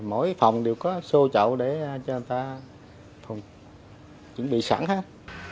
mỗi phòng đều có xô chậu để cho người ta chuẩn bị sẵn hết